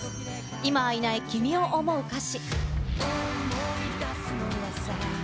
今はいない君を想う歌詞。